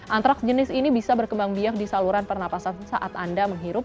antraks jenis ini bisa berkembang biak di saluran pernafasan saat anda menghirup